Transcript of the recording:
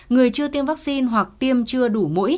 người chưa tiêm vaccine hoặc tiêm chưa đủ